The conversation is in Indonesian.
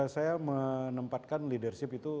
saya menempatkan leadership itu